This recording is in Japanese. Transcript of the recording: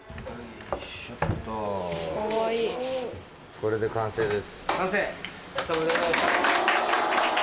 これで完成です。